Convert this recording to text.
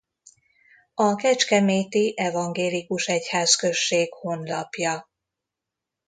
A Kecskeméti Evangélikus Egyházközség honlapja